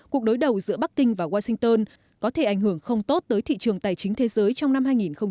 cuộc đối đầu giữa bắc kinh và washington có thể ảnh hưởng không tốt tới thị trường tài chính thế giới trong năm hai nghìn hai mươi